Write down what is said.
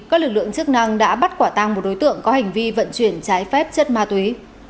các lực lượng chức năng đã bắt quả tang một đối tượng có hành vi vận chuyển trái phép chất ma túy